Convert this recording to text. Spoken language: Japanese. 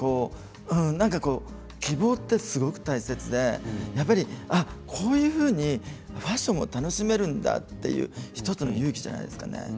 希望ってすごく大切でこういうふうにファッションを楽しめるんだという１つの勇気じゃないですかね。